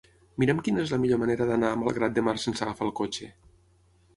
Mira'm quina és la millor manera d'anar a Malgrat de Mar sense agafar el cotxe.